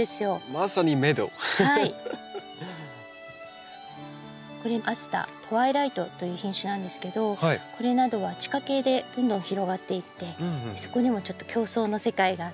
まさにメドウ！という品種なんですけどこれなどは地下茎でどんどん広がっていってそこにもちょっと競争の世界があって。